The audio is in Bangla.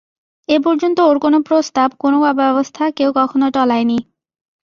এ পর্যন্ত ওর কোনো প্রস্তাব কোনো ব্যবস্থা কেউ কখনো টলায় নি।